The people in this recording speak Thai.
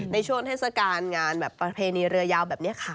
ในช่วงเทศการณ์งานแบบประเภนีเรือยาวแบบนี้ขายดีมาก